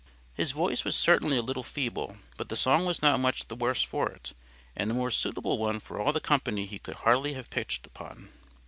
His voice was certainly a little feeble; but the song was not much the worse for it. And a more suitable one for all the company he could hardly have pitched upon.